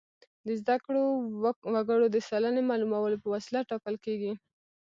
د زده کړو وګړو د سلنې معلومولو په وسیله ټاکل کیږي.